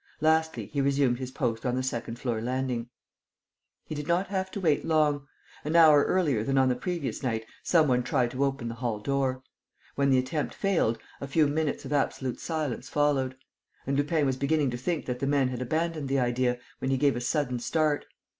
Lastly, he resumed his post on the second floor landing. He did not have to wait long. An hour earlier than on the previous night some one tried to open the hall door. When the attempt failed, a few minutes of absolute silence followed. And Lupin was beginning to think that the men had abandoned the idea, when he gave a sudden start.